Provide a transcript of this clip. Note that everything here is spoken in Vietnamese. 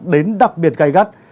đến đặc biệt gây gắt